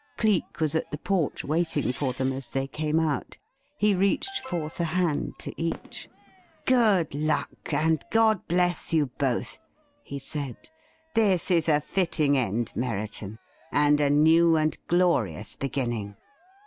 Cleek was at the porch waiting for them as they came out. He reached forth a hand to each. "Good luck and God bless you both," he said. "This is a fitting end, Merriton, and a new and glorious beginning."